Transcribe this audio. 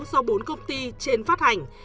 do bốn công ty trên phát hành